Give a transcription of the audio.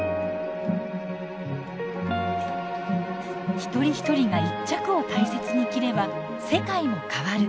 一人一人が一着を大切に着れば世界も変わる。